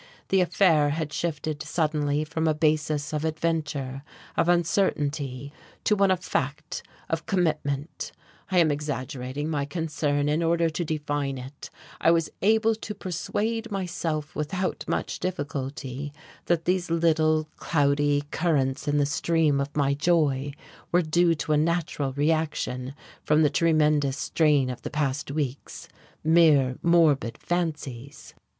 The affair had shifted suddenly from a basis of adventure, of uncertainty; to one of fact, of commitment; I am exaggerating my concern in order to define it; I was able to persuade myself without much difficulty that these little, cloudy currents in the stream of my joy were due to a natural reaction from the tremendous strain of the past weeks, mere morbid fancies.